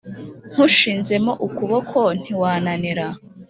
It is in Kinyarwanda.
Nywushinzemo ukuboko ntiwananira;